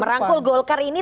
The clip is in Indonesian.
merangkul golkar ini